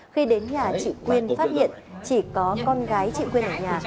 khi đến nhà chị quyên phát hiện chỉ có con gái chị quên ở nhà